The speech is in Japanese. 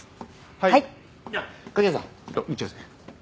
はい。